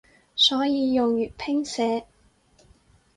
所以用粵拼寫